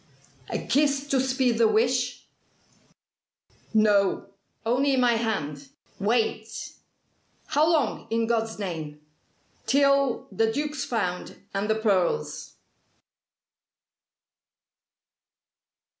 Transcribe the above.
"A kiss to speed the wish?" "No. Only my hand. Wait!" "How long in God's name?" "Till the Duke's found and the pearls."